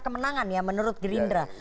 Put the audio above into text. kemenangan ya menurut greendraft